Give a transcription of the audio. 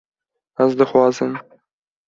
Ez dixwazim